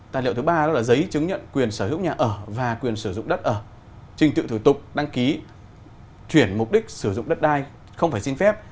tài liệu thứ ba đó là giấy chứng nhận quyền sở hữu nhà ở và quyền sử dụng đất ở trình tự thủ tục đăng ký chuyển mục đích sử dụng đất đai không phải xin phép